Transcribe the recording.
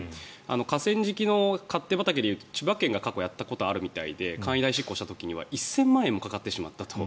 河川敷の勝手畑でいうと千葉県が過去にやったことがあるみたいで簡易代執行した時には１０００万円もかかってしまったと。